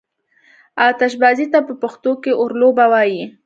آتشبازي ته په پښتو کې اورلوبه وايي.